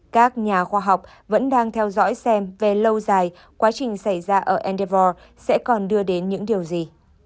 các nhà khoa học vẫn đang theo dõi xem về lâu dài quá trình xảy ra ở endevor sẽ còn đưa đến những điều gì